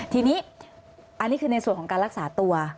ทีนี้อันนี้คือในส่วนของการรักษาตัว